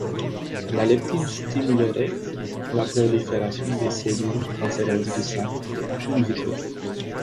La leptine stimulerait la prolifération des cellules cancéreuses du sein, in vitro.